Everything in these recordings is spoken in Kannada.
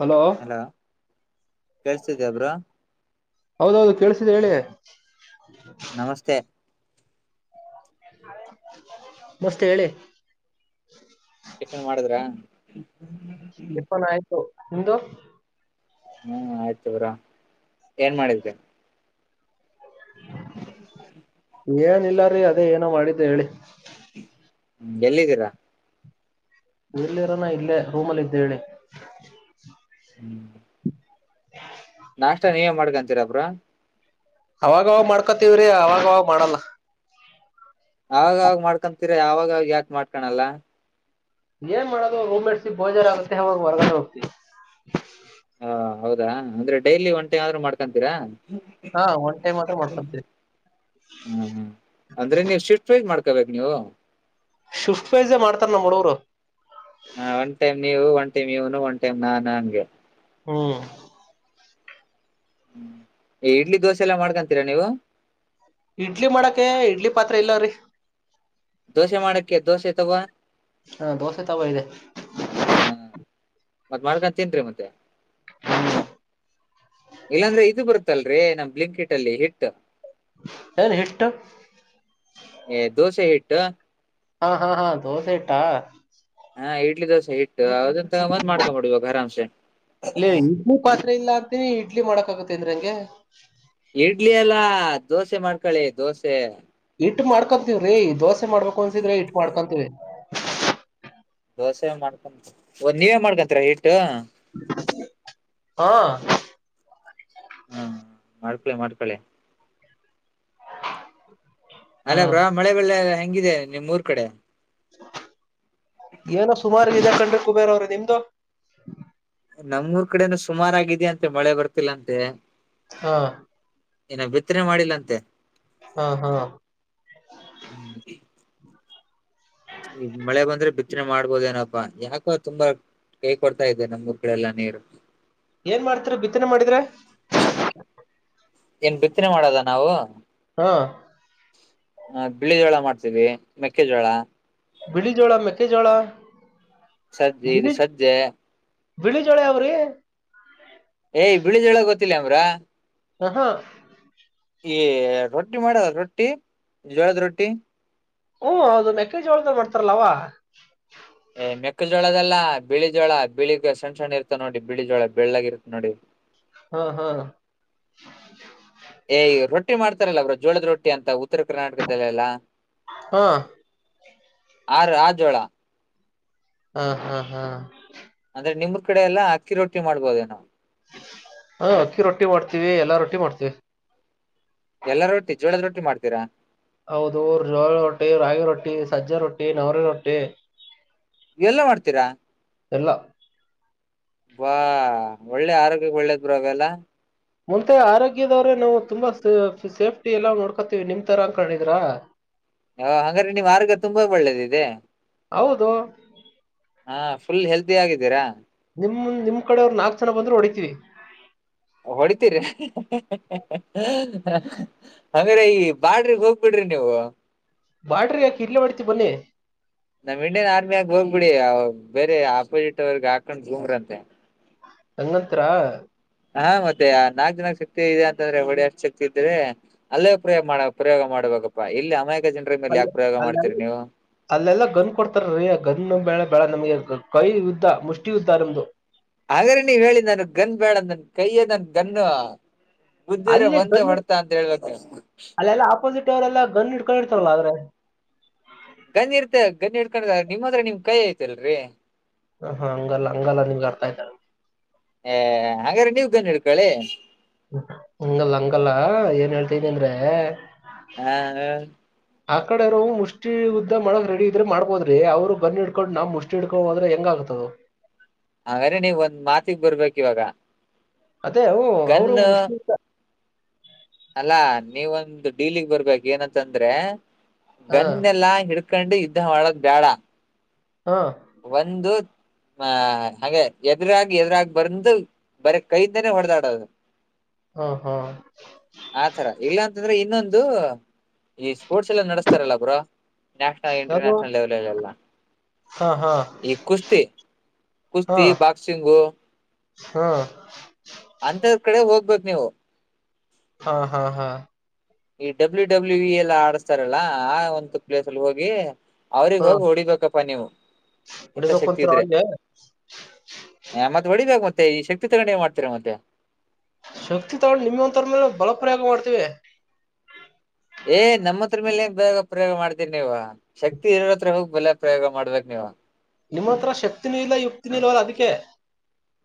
ಹಲೋ ಕೇಳ್ಸ್ತಿದ್ಯಾ ಬ್ರೊ. ಹೌದೌದು ಕೇಳಸ್ತಿದೆ ಹೇಳಿ. ನಮಸ್ತೆ. ನಮಸ್ತ್ ಹೇಳಿ. ಟಿಫಿನ್ ಮಾಡಿದ್ರ? ಟಿಫನ್ ಆಯ್ತು ನಿಮ್ದು? ಹ್ಮ್ ಆಯ್ತ ಬ್ರೊ ಏನ್ ಮಾಡಿದ್ರಿ? ಹ್ಮ ಏನ ಇಲ್ಲರೀ ಅದೇ ಏನೋ ಮಾಡಿದ್ದೆ ಹೇಳಿ. ಹ ಎಲ್ಲಿದ್ದೀರಾ? ಎಲ್ಲಿ ಇರನಾ ಇಲ್ಲೇ ರೂಮ್ ಅಲ್ಲಿ ಇದ್ದೆ ಹೇಳಿ. ಹ್ಮ್ ಹ ನಾಷ್ಟಾ ನೀವೆ ಮಾಡ್ಕೊಂತೀರಾ ಬ್ರೊ? ಅವಾಗವಾಗ ಮಾಡ್ಕೊತಿವ್ರೀ ಅವಾಗವಾಗ್ ಮಾಡಲ್ಲ. ಅವಾಗಾವಾಗ್ ಮಾಡ್ಕೊತೀರಿ ಅವಾಗವಾಗ ಯಾಕ್ ಮಾಡ್ಕಳಲ್ಲ. ಏನ್ ಮಾಡೋದು ರೂಮ್ಮೆಟ್ಸ್ ಬೇಜಾರಗುತ್ತೆ ಅವಾಗ ಹೊರ್ಗಡೆ ಹೋಗ್ತಿವ್. ಹ ಹೌದಾ ಅಂದ್ರೆ ಡೈಲಿ ಒಂಟೖಮಾದ್ರು ಮಾಡ್ಕೊಂತೀರಾ. ಹಾ ಒನ್ ಟೈಮ್ ಮಾತ್ರ ಮಾಡ್ಕೊತೀರಿ. ಹ್ಮ್ ಹ್ಮ್ ಅಂದ್ರೆ ನೀವು ಶಿಫ್ಟ್ ವೖಸ್ ಮಾಡ್ಕೊಬೇಕ್ ನೀವು. ಶಿಫ್ಟ್ ಪೈಸೆ ಮಾಡ್ತಾರ ನಮ್ ಹುಡುಗ್ರು. ಹಾ ಒನ್ ಟೈಮ್ ನೀವು ಒನ್ ಟೖಮ್ ಇವ್ನು ಒನ್ ಟೖಮ್ ನಾನನ್ ಹಂಗೆ. ಹ್ಮ ಹ್ಮ ಇಡ್ಲಿ ದೋಸೆ ಎಲ್ಲಾ ಮಾಡ್ಕೊಂತೀರಾ ನೀವು? ಇಡ್ಲಿ ಮಾಡಕೆ ಇಡ್ಲಿ ಪಾತ್ರೆ ಇಲ್ಲ ರೀ. ದೋಸೆ ಮಾಡಕ್ಕೆ ದೋಸೆ ತವಾ? ಹಾ ದೋಸೆ ತವ ಇದೆ. ಹಾ ಮತ್ತ್ ಮಾಡ್ಕ ತಿನ್ರಿ ಮತ್ತೆ. ಹ್ಮ ಇಲ್ಲಾಂದ್ರೆ ಇದು ಬರುತ್ತಲ್ರರಿ ನಮ್ ಬ್ಲಿಂಕಿಟ್ ಅಲ್ಲಿ ಹಿಟ್. ರಿ ಹಿಟ್ಟು. ಏ ದೋಸೆ ಹಿಟ್ಟು ಹಾ ಹಾ ಹಾ ದೋಸ ಇಟಾ ಹಾ ಇಡ್ಲಿ ದೋಸೆ ಇಟ್ಟು ಅದಂತ ಮಂದ್ ಮಾಡ್ಕೊಂಬೋಡ ಇವಾಗ ಅರಾಂಸೆ ಇಲ್ಲ ಇಡ್ಲಿ ಪಾತ್ರೆ ಇಲ್ಲ ಅಂತೀನಿ ಇಡ್ಲಿ ಮಾಡಕಾಗತ್ತೆ ಅಂದ್ರ ಹಂಗೆ ಇಡ್ಲಿ ಅಲ್ಲಾ ದೋಸೆ ಮಾಡ್ಕಳಿ ದೋಸೆ. ಹಿಟ್ ಮಾಡ್ಕೊಂತೀವ್ರೀ ದೋಸೆ ಮಾಡ್ಬೇಕು ಅನ್ಸಿದ್ರೆ ಹಿಟ್ ಮಾಡ್ಕೊಂತೀವಿ. ದೋಸೆ ಮಾಡ್ಕೊ ನೀವೇ ಮಾಡ್ಕೊಂತಿರ ಹಿಟ್ಟು? ಹಾ ಹಾ ಮಾಡ್ಕಳಿ ಮಾಡ್ಕೊಳಿ ಹ [unintelligible] ಅಲ್ಲ ಬ್ರಾ ಮಳೆ ಬಳ್ಳೆ ಹೆಂಗಿದೆ ನಿಮ್ಊರ್ ಕಡೆ ಏನೋ ಸುಮಾರ ಕಂಡ್ರೆ ಕುಬೇರ್ ಅವ್ರೆ ನಿಮ್ದು ನಮ್ೂಊರ್ ಕಡೆನು ಸುಮಾರ ಆಗಿದ ಅಂತೆ ಮಳೆ ಬರ್ತಿಲ್ಲ ಅಂತೆ ಹಾ ಏನ ಬಿತ್ತನೆ ಮಾಡಿಲ್ಲ ಅಂತೆ ಹಾ ಹಾ ಹ್ಮ ಈ ಮಳೆ ಬಂದ್ರೆ ಬಿತ್ತನೆ ಮಾಡ್ಬೋದ ಏನಪ್ಪಾ ಯಾಕೋ ತುಂಬಾ ಹೇ ಕೊಡ್ತಾ ಇದ್ದೆ ನಮ್ಗ [unintelligible] ಊಗ್ಗಳಡೆೆಲ್ಲ ನೀರು ಏನ್ ಮಾಡ್ತರಿ ಬಿತ್ತನೆ ಮಾಡಿದ್ರೆ ಏನ್ ಬಿತ್ತನೆ ಮಾಡದ ನಾವು ಹಾ ಹ ಬಿಳಿ ಜೋಳ ಮಾಡ್ತೀವಿ ಮೆಕ್ಕೆಜೋಳ ಬಿಳಿ ಜೋಳ ಮೆಕ್ಕೆೆ ಜೋಳ ಸಜ್ಜೆ ಇದು ಸಜ್ಜೆ ಬಿಳಿಜೋಳೆ ಅವ್ರೀ ಏ ಬಿಳಿ ಜೋಳ ಗೊತ್ತಿಲ್ಲ ಅಮ್ರಾ ಹಹ ಈ ರೊಟ್ಟಿ ಮಾಡ ರೊಟ್ಟಿ ಜೋಳದ ರೊಟ್ಟಿ ಹ್ಮ ಅದು ಮೆಕೇಜೊಳದ ಮಾಡ್ತಾರಲ್ಲವವಾ ಮೇಕ್ಕ ಜೋಳದಲ್ಲ ಬಿಳಿ ಜೋಳ ಬಿಳಗ್ ಸಣ್ಣ ಸಣ್ಣ ಇರುತ ನೋಡಿ ಬಿಳಿ ಜೋಳ ಬೆಳ್ಳಗ ಇರುತ್ತೆ ನೋಡಿ [unintelligible] ಹಾ ಹಾ [unintelligible] ಏ ರೊಟ್ಟಿ ಮಾಡ್ತಾರಲ್ಲ ಅವ್ರರು ಜೋಳದ ರೊಟ್ಟಿ ಅಂತ ಉತ್ತರ ಕರ್ನಾಟಕದಲ್ಲೆಲ್ಲಾ ಹಾ ಆ ರಾಜೋಳ ಹಾ ಹಾ ಹಾ ಅಂದ್ರೆ ನಿಮ್ರ ಕಡೆ ಎಲ್ಲ ಅಕ್ಕಿ ರೊಟ್ಟಿ ಮಾಡಬಹೋೇ ನಾವು ಹಾ ಅಕ್ಕಿ ರೊಟ್ಟಿ ಮಾಡ್ತೀವಿ ಎಲ್ಲಾ ರೊಟ್ಟಿ ಮಾಡ್ತೀವಿ ಎಲ್ಲ ರೋಟ್ಟಿ ಜೋಳದ ರೋಟ್ಟಿ ಮಾಡ್ತೀರಾ ಹೌದು ಜೋ ರೊಟ್ಟಿ ರಾಗಿ ರೊಟ್ಟಿ ಸಜ್ಜಾ ರೊಟ್ಟಿ ನವರಿ ರೊಟ್ಟಿ ಎಲ್ಲ ಮಾಡ್ತೀರಾ ಎಲ್ಲ ಬಾ ಒಳ್ಳೆ ಆರೋಗ್ಯ ಒಳ್ಳೇದ್ರು ಅವೆಲ್ಲ ಮುಂದೆ ಆರೋಗ್ಯದವ್ರೇ ನಾವು ತುಂಬಾ ಸೇಫ್ಟಿ ಎಲ್ಲ ನೋಡ್ಕೋತಿೀವಿ ನಿಮ್ ತರಾ ಅಕಿದ್ರ ಹಂಗ್ರೆ ನಿ ಮಾರ್ಗ ತುಂಬಾ ಒಳ್ಳೇದ ಇದೆ ಹೌದು ಹಾ ಫುಲ್ ಹೆಲ್ದಿ ಆಗಿದ್ದೀರಾ ನಿಮ್ ನಿಮ್ ಕಡೆ ಅವ್ರು ನಾಕ್ ಜನ ಬಂದ್ರು ಹೊಡಿತೀವಿ ಹೊಡಿತೀರಿ ಹಂಗ್ರೆ ಈ ಬಾಡ್ರಿಗ್ ಹೋಗ್ಬಿಡ್ರಿ ನೀವು ಬಾಡ್ರಿಗೆಗ ಕಿರ್ಲೆ ಮಾಡ್ತೀವಿ ಬನ್ನಿ ನಮ್ ಇಂಡಿಯನ್ ಆರ್ಮಿ ಆಗ ಹೋಗ್ಬಿಡಿ ಬೇರೆ ಆಪೋಸಿಟ್ ಅವರ್ಗ್ ಹಾಕೊಂಡ್ ಹೂಮ್ರಂತೆ ಅನ್ನತ್ರ ಹಾ ಮತ್ತೆ ನಾಕ್ ಜನಾ ಶಕ್ತಿ ಇದೆ ಅಂತಂದ್ರೆ ಒಡಿ ಅಷ್ಟ್ ಶಕ್ತಿ ಇದ್ರೆ ಅಲ್ಲೇ ಪ್ರಯೋಗ ಮಾಡ ಪ್ರಯೋಗ ಮಾಡ್ಬೇಕಪ್ಪಾ ಇಲ್ಲಿ ಅಮಯೇಕ ಜರ ಮೇಲೆ ಅಲ್ಲಿ ಯಾಕೆ ಪ್ರಯೋಗ ಅಲ್ಲ ಮಾಡ್ತೀರಿ ನೀವು ಅಲ್ಲೆಲ್ಲಾ ಗನ್ ಕೊಡ್ತಾರೀ ಗನ್ ಬಳೆ ಬಳ ನಮಗೆ ಕೈ ಯುದ್ದ್ಧ ಮುಷ್ಟಿ ಯುದ್ದ ನಮ್ದು ಹಾಗ್ರೆ ನೀ ಹೇಳಿ ನನ್ ಗನ್ ಬೇಡ ನನ್ ಕೈಯೇ ನನ್ ಗನ್ ಬುದ್ದಿದ್ರೆ ಅಲ್ಲಿ ಒಂದೇ ಗನ್ ಹೊರ್ತಾ ಅಂತ ಹೇಳ್ ಗೊತ್ತ ಅಲ್ಲೆಲ್ಲ ಆಪೋಸಿಟ್ ಅವರೆಲ್ಲ ಗನ್ ಇ ಕಳಿರ್ತಲ್ಲ ಆದ್ರೆ ಗಂಜ ಇರ್ತ ಗಂ ಇಡ್ಕೊಂಡ ನಿಮ್ಮದ್ರ ನಿಮ್ ಕೈಿ ಐತಲ್ರರಿ ಹ ಹಾ ಹಂಗಲ್ಲ ಹಂಗಲ್ಲ ನಿಮ್ ಅರ್ಥ ಆಯ್ತ ಏ ಹಂಗ್ರ ನೀವ್ ಗನ್ ಹಿಡ್ಕಳಿ ಹಂಗಲ್ಲ ಹಂಗಲ್ಲ ಏನ್ ಹೇಳ್ತೈತಂದ್ರೆ ಹ ಆ ಕಡೆ ರೋ ಮುಷ್ಟಿ ಯುದ್ದ ಮಾಡಕ್ ರೆಡಿ ಇದ್ರೆ ಮಾಡ್ಬೋದ್ರಿ ಅವ್ರು ಗನ್ನು ಇಡ್ಕೊಂಡ್ ನಾ ಮುಷ್ಟಿ ತಿಡ್ಕ ಒಡದ್ರೆ ಹೆಂಗ ಆಗ್ತದು ಆದದ್ರೆ ನೀವ್ ಒಂದ್ ಮಾತಿಗ್ ಬರ್ಬೇಕ್ ಇವಾಗ ಅದೇ ಅವರು ಗನ್ ಅವರು ಮುಷ ಅಲ್ಲಾ ನೀವೊಂದು ಡೀಲಿಗ್ ಬರ್ಬೇಕ ಏನಂತಂದ್ರೆ ಹಾ ಗನ್ನೆಲ್ಲಾ ಹಿಡ್ ಹಕಂಡು ಇದ್ದ ಒಳಗ್ ಬ್ಯಾಡ ಹಾ ಒಂದು ಹ ಹಾಗೆ ಎದ್ರಾಗಿ ಎದ್ರಾಗಿ ಬಂದು ಬರ ಕೈಯಿಂದನೆೇ ಹೊಡೆದಾಡೋದು ಹ ಹಾ ಆತರ ಇಲ್ಲಾ ಅಂತಂದ್ರೆ ಇನ್ನೊಂದು ಈ ಸ್ಪೋರ್ಟ್ಸ್ ಎಲ್ಲಾ ನಡೆಸ್ತಾರಲ್ಲ ಬು್ರ ನ್ಯಾಷನಲ್ ಯಾವ್ದು ಇಂಟರ್ನ್ಯಾಷನಲ್ ಲೆವೆಲ್ಲ್ಲಿ ಎಲ್ಲ ಹಾ ಹಾ ಈ ಕುಸ್ತಿ ಹಾ ಕುಸ್ತಿ ಬಾಕ್ಸಿಂಗು ಹಾ ಅಂತದ್ ಕಡೆ ಹೋಗ್ಬೇಕಕ್ ನೀವು ಹಾ ಹಾ ಹಾ ಈ ಡಬ್ಲ್ಯೂ ಡಬ್ಲ್ಯೂ ಇ ಎಲ್ಲ ಆಡಸ್ತಾರಲ್ಲಾ ಆ ಒಂತ ಪ್ಲೇಸ್ ಅಲ್ಲಿ ಹೋಗಿ ಅವ್ರಗ್ ಹೋಗಿ ಹೊಓಡಿಬೇಕಪ್ಪಾ ನೀವು ಇಂಥ ಹೊಡಿಬೇಕು ಶಕ್ತಿ ಅಂತಾರ ಇದ್ರೆ ಅವ್ರಿಗೆ ಹ ಮತ್ತೆ ಹೊಡಿಬೇಕ ಮತ್ತೆ ಈ ಶಕ್ತಿ ತಗಿ ಮಾಡ್ತಾರೆ ಮತ್ತೆ ಶಕ್ತಿ ತಗೊಂಡು ನಿಮ ಒಂಂತರ ಮೇಲೆ ಬಲಪ್ರಯೋಗ ಮಾಡ್ತೀವಿ ಏ ನಮ್ಮ ಹತ್ರ ಮೇಲೆ ಬೇಗ ಪ್ರಯೋಗ ಮಾಡ್ತೀರಿ ನೀವ ಶಕ್ತಿ ಇರ ತ್ರ ಹೋಗಿ ಬೆಲೆ ಪ್ರಯೋಗ ಮಾಡ್ಬೇಕ್ ನೀವು ನಿಮ್ಮ ಹತ್ರ ಶಕ್ತಿನು ಇಲ್ಲ ಯುಕ್ತಿನು ಇಲ್ವಲ್ಲ ಅದಕ್ಕೆ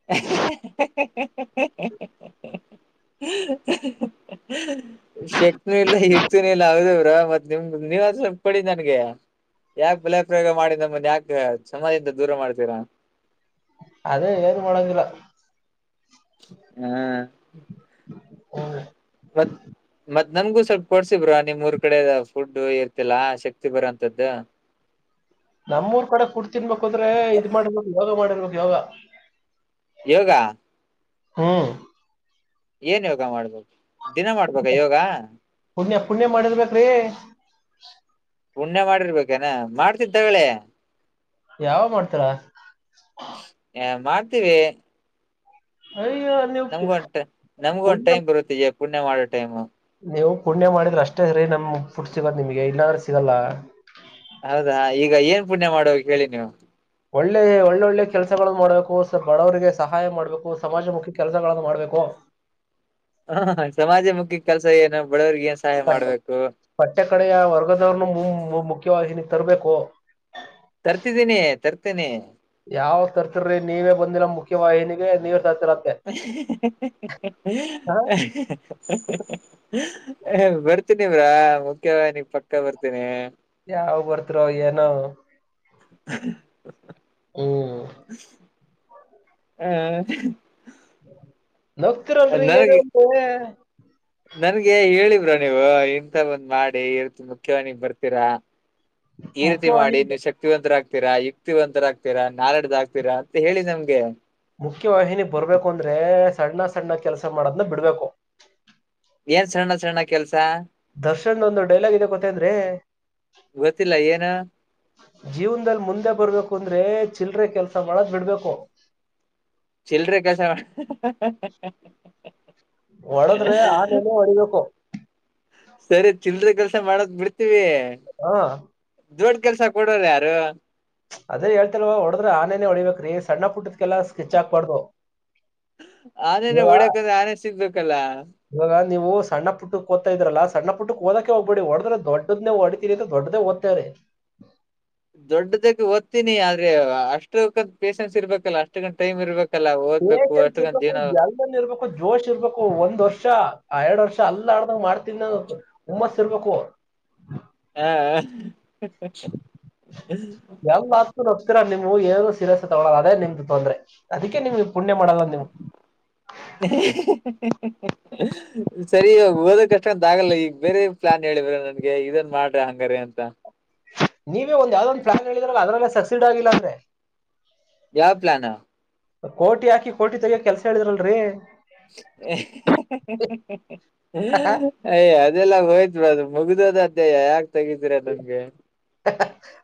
[inaudible] ಶಕ್ತಿನೂ ಇಲ್ಲ ಯುಕ್ತಿನು ಇಲ್ಲ ಹೌದವ್ರ ಮತ್ತ್ ನಿಮ್ದ ನೀವ್ ಸ್ವಪಡ ನನ್ಗೆ ಯಾಕೆ ಬಲ ಪ್ರಯೋಗ ಮಾಡಿ ನಮ್ಮನ್ ಯಾಕ ಚನಾಗಿದ್ದೌರ ದೂರ ಮಾಡ್ತೀರಾ ಅದೇ ಏನು ಮಾಡದಿಲ್ಲ. ಹಾ ಹ [unintelligible] ಮತ್ ನಮಗೂ ಸ್ವಲ್ಪ ಕೊಡ್ಸಿ ಬ್ರೊ ನಿಮ್ಮೂರ್ ಕಡೆದ ಫುಡ್ ಇರ್ತಿಲ್ಲಾ ಶಕ್ತಿ ಬರೋಂತದ್ದು ನಮ್ಮೂರ್ ಕಡೆ ಫುಡ್ ತಿನ್ಬೇಕುಂದ್ರೆ ಇದ್ ಮಾಡಿರ್ಬೇಕು ಯೋಗ ಮಾಡಿರ್ಬೇಕು ಯೋಗ ಯೋಗ ಹ್ಮ್ ಏನ್ ಯೋಗ ಮಾಡ್ಬೇಕು ದಿನ ಮಾಡ್ಬೇಕ ಯೋಗ ಪುಣ್ಯ ಪುಣ್ಯ ಮಾಡಿರ್ಬೇಕ್ರೀ ಪುಣ್ಯ ಮಾಡಿರ್ಬೇಕೇನ ಮಾಡ್ತಿನಿ ತಕೊಳ್ಳಿ ಯಾವಾಗ ಮಾಡ್ತಾಳ ಹ ಮಾಡ್ತೀವಿ ಅಯ್ಯೋ ನೀವು ನಮ್ಗ ಪು- ಒಂ ನಮಗ ಒಂದ ಪುಣ್ಯ ಟೈಮ್ ಬರುತ್ತ ಈ ಪುಣ್ಯ ಮಾಡೋ ಟೈಮ್ ನೀವು ಪುಣ್ಯ ಮಾಡಿದ್ರೆ ಅಷ್ಟೇ ರೀ ನಮ್ ಫುಡ್ ಸಿಗದ ನಿಮಗೆ ಇಲ್ಲಾಂದ್ರೆ ಸಿಗಲ್ಲ ಹೌದಾ ಈಗ ಏನ್ ಪುಣ್ಯ ಮಾಡಬೇಕು ಹೇಳಿ ನೀವು ಒಳ್ಳೆ ಒಳ್ಳೊಳ್ಳೆ ಕೆಲ್ಸಗಳನ್ನು ಮಾಡ್ಬೇಕು ಬಡವರಿಗೆ ಸಹಾಯ ಮಾಡ್ಬೇಕು ಸಮಾಜಮುಖಿ ಕೆಲಸಗಳನ್ನ ಮಾಡ್ಬೇಕು ಹ ಸಮಾಜ ಮುಖಿ ಕೆಲ್ಸ ಏನು ಬಡವ್ರಿಗೆ ಏನ್ ಸಹಾಯ ಮಾಡ್ಬೇಕು ಪಠ್ಯ ಕಡೆಯ ವರ್ಗದವ್ರನು ಮು ಮುಖ್ಯವಾಗಿನಿಗೆ ತರ್ಬೇಕು ತರ್ತಿದ್ದೀನಿ ತರ್ತೀನಿ ಯಾವ್ ತರ್ತಿರಿ ನೀವೇ ಬಂದಿಲ್ಲ ಮುಖ್ಯವಾಹಿನಿಗೆ ನೀವೇ ತರ್ತಿರತ್ತೆ ಹ [inaudible] ಬರ್ತೀನಿ ಬ್ರೋ ಮುಖ್ಯವ ನಿಮ್ಮ ಪಕ್ಕ ಬರ್ತೀನಿ ಯಾವಗಾ ಬರ್ತಿರೋ ಏನೋ ಹ್ಮ ಹ್ಮ್ ಹ್ಮ ನಗ್ತಿರಲ್ಲಿ ಏನೇ ನನಗೆ ಅಂದ್ರುವೇ ನನ್ಗೆ ಹೇಳಿ ಬ್ರೋ ನೀವು ಇಂತ ಬಂದ್ ಮಾಡಿ ಇರ್ತಿ ಮುಖ್ಯವಾಣಿಗೆ ನೀನ್ ಬರ್ತೀರಾ ಈ ರೀತಿ ಮಾಡಿ ಮುಖ್ಯವಾಹಿನಿ ನೀವು ಶಕ್ತಿವಂತರಾಗ್ತೀರ ಶಕ್ತಿವರಾಗ್ತೀರಾ ನಾಲೆಜ್ ಆಗ್ತತಿರಾ ಅಂತ ಹೇಳಿ ನಮ್ಗೆ ಮುಖ್ಯವಾಹಿಣಿಯಲ್ಲಿ ಬರ್ಬೇಕು ಅಂದ್ರೆ ಸಣ್ಣ ಸಣ್ಣ ಕೆಲ್ಸ ಮಾಡದ್ನ ಬಿಡ್ಬೇಕು ಏನ್ ಸಣ್ಣ ಸಣ್ಣ ಕೆಲ್ಸ ದರ್ಶನ್ ಒಂದು ಡೈಲಾಗ್ ಇದೆ ಗೊತ್ತನೆಂದ್ರಿ ಗೊತ್ತಿಲ್ಲ ಏನು ಜೀವನದಲ್ಲಿ ಮುಂದೆ ಬರ್ಬೇಕು ಅಂದ್ರೆ ಚಿಲ್ಲರೆ ಕೆಲಸ ಮಾಡದು ಬಿಡ್ಬೇಕು ಚೀಲರೇ ಕೆಲಸ ಹೋಡಿದ್ರೆ ಆನೇನೆ ಹೊಡಿಬೇಕು ಸರಿ ಚಿಲ್ಲರೆ ಕೆಲ್ಸ ಮಾಡೋದ ಬಿಡ್ತೀವಿ ಹಾ ದೊಡ್ಡ ಕೆಲ್ಸ ಕೊಡೋರು ಯಾರು ಅದೇ ಹೇಳ್ತಿಲ್ವ ಹೊಡ್ರ ಆನೇನೆೇ ಹೊಡಿಬೇಕರೀ ಸಣ್ಣ ಪುಟ್ಟದಕೆಲ್ಲ ಸ್ಕಿಚ್ ಹಾಕ್ಬಾರ್ದು ಆನೆೇನೆ ಇವಾಗ ಹೊಡಿಬೇಕಂದ್ರೆ ಆನೆ ಸಿಗ್ಬೇಕಲ್ಲ ಇವಾಗ ನೀವು ಸಣ್ಣುಟ್ಟಕ್ಕ ಓದ್ತಾಯಿದೆರಲ್ಲ ಸಣ್ಣ ಪುಟ್ಟಕೆ ಓದಕ್ಕೆ ಹೋಗ್ಬಿಡಿ ಹೊಡದ್ರೆ ದೊಡ್ಡದನೇ ಹೊಡಿ ದೊಡ್ಡದೆ ಓದ್ತಾಯಿರಿ ದೊಡ್ಡದಕ್ಕೆ ಓದ್ತಿನಿ ಆದ್ರೆ ಅಷ್ಟಕಂತ ಪೇಷೆನ್ಸ್ ಇರ್ಬೇಕಲ್ಲ ಅಷ್ಟ ಕಂತ ಟೈಮ್ ಇರ್ಬೇಕ ಓದ್ಬೇಕು ಪೇಷನ್ಸ್ ಅಷ್ಟಕಾಂತ ಇರ್ಬೇಕು ಇರ್ಬೇಕು ಜೋಶ್ ಇರ್ಬೇಕು ಒಂದ್ ವರ್ಷ ಆ ಎರಡ್ ವರ್ಷ ಅಲ್ಲ ಆಡ್ದಾಗ್ ಮಾಡ್ತನಿ ನಾನು ಅಂತ ಉಮ್ಮಸ್ ಇರ್ಬೇಕು ಹ ನೋಗ್ತೀರ ನಿಮವು ಏನೋ ಸಿರಸ್ ತಗಳಲ್ಲ ಅದೇ ನಿಮ್ದ ತೊಂದ್ರ ಅದಕ್ಕೆ ನಿಮ್ಗೆ ಪುಣ್ಯ ಮಾಡಲ್ಲ ನಿಮ್ [unintelligible] ಸರಿ ಇವಾಗ ಓದ ಕಷ್ಟ ಅಂತ ಆಗಲ್ಲ ಈಗ ಬೇರೆ ಪ್ಲಾನ್ ಹೇಳಿವ್ರ ನನ್ಗೆ ಇದನ್ ಮಾಡ್ರಿ ಹಂಗಾರ ಅಂತ ನೀವೇ ಒಂದ ಯಾವ್ದ ಒಂದು ಪ್ಲಾನ್ ಹೇಳಿದ್ರಲ್ಲ ಅದನ್ನಲ್ಲ ಸಕ್ಸಿಡ್ ಆಗಿಲ್ಲ ಅಂದ್ರೆ ಯಾವ ಪ್ಲನ್ ಕೋಟಿ ಹಾಕಿ ಕೋಟಿ ತೆಗಿ ಕೆಲ್ಸ ಹೇಳಿದಿರಲ್ರರಿ ಹ್ಮ ಅಯ ಅದೆಲ್ಲ ಹೋಯ್ತು ಬಿ ಅದು ಮುಗ್ದೋದ ಅಧ್ಯಯ ಯಾಕ ತೆಗಿದೀರಾ ನಮ್ಗೆ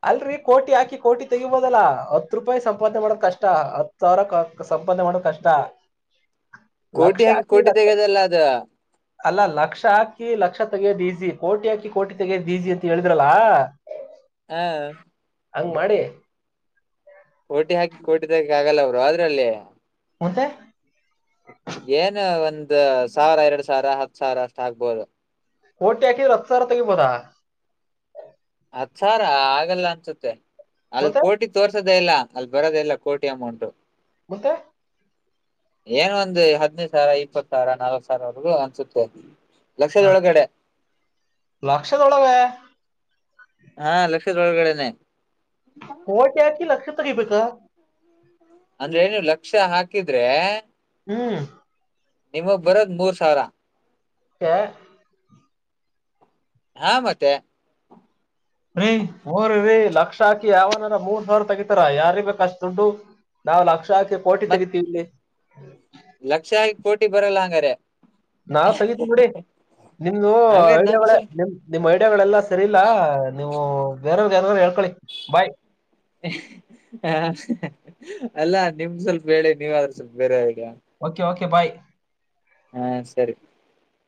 ಅಲ್ರರಿ ಕೋಟಿ ಹಾಕಿ ಕೋಟಿ ತೆಗಿಬೋದಲ್ಲ ಹತ್ ರೂಪಾಯಿ ಸಂಪಾದನೆ ಮಾಡದ್ ಕಷ್ಟ ಹತ್ ಸರಕ್ಕೆ ಸಂಪಾದ ಮಾಡೋ ಕಷ್ಟ ಕೋಟಿ ಲಕ್ಷ ಹಾಕಿ ಕೋಟಿ ಲಕ್ಷ ತೆಗೋದಲ್ಲ ಅದ ಅಲ್ಲ ಲಕ್ಷ ಹಾಕಿ ಲಕ್ಷ ತೆಗೆಯ ಈಜಿ ಕೋಟಿ ಹಾಕಿ ಕೋಟಿ ತೆಗೆಯ ಈಜಿ ಅಂತ ಹೇಳಿದ್ರಲ್ಲಾ ಹಾ ಹಂಗ ಮಾಡಿ ಕೋಟಿ ಹಾಕಿ ಕೋಟಿಿದಕೆ ಆಗಲ್ಲ ಅವರು ಅದ್ರಲ್ಲಿ ಮತ್ತೆ ಏನು ಒಂದ ಸಾವಿರ ಎರಡು ಸಾವಿರ ಹತ್ತು ಸಾವಿರ ಅಷ್ಟ ಆಗ್ಬೋದು ೋಟಿ ಆಾಕಿ ಹತ್ಸಾರ ತೆಗೆಬೋದ ಅತ್ ಸಾರ ಆಗಲ್ಲ ಅನ್ಸುತ್ತೆ ಅಲ್ಲಿ ಮತ್ತೆ ಕೋಟಿ ತೋರ್ಸೋದೇ ಇಲ್ಲ ಅಲ್ಲಿ ಬರದೇ ಇಲ್ಲ ಕೋಟಿ ಅಮೌಂಟ್ ಮತ್ತೆ ಏನ್ ಒಂದು ಹದ್ನೈದು ಸಾವಿರ ಇಪ್ಪತ್ ಸಾವಿರ ನಾಲ್ತ್ ಸಾವಿರವರೆಗೂ ಅನ್ಸುತ್ತೆ ಲಕ್ಷದೊಳ ಕಡೆ ಲಕ್ಷ್ಯ ೋಳಾಗ ಹಾ ಲಕ್ಷದೊಳಗಡನೆ ಕೋಟಿ ಹಾಕಿ ಲಕ್ಷ ತೆಗೆಬೇಕ ಅಂದ್ರೆ ಏನು ಲಕ್ಷ ಹಾಕಿದ್ರೆ ಹ್ಮ್ ನಿಮಗ್ ಬರೋದ್ ಮೂರ್ ಸಾವಿರ ಹ ಹಾ ಮತ್ತೆ ೀ ಹಊರ ರೀ ಲಕ್ಷ ಹಾಕಿ ಯಾವನಾರ ಮೂರ್ ಸಾವಿರ ತಗಿತಾರ ಯಾರ ಬೇಕ ಅಷ್ಟ ದುಡ್ಡು ನಾವವು ಲಕ್ಷಾಕಿ ಪೋಟಿ ಮತ್ತೆ ತೆಗಿತೀವಿವಿ ಲಕ್ಷ ಕೋಟಿ ಬರಲ್ಲ ಹಂಗಾರೆ ನಾವ್ ತಗತಿೀವಿ ನೋಡಿ ನಿಮ್ದು ಹಂಗಾರೆ ನಮ್ಗ್ ವಳ ಸ್ವಲ್ಪ ನಿಮ ನಿಮ್ ಐಡಿಯಾಗಳೆಲ್ಲಾ ಸರಿ ಇಲ್ಲಾ ನೀವು ಬೇರೆಯವ್ರಿಗೆ ಏನ ಹೇಳ್ಕೊಳ್ಳಿ ಬಾಯ್ ಹ ಅಲ್ಲ ನಿಮ್ದ ಸ್ವಲ್ಪ ಹೇಳೆ ನೀವಾದ್ರೂ ಸ್ವಲ್ಪ ಬೇರೆವ್ರಗ ಓಕೆ ಓಕೆ ಬಾಯ್ ಹಾ ಸರಿ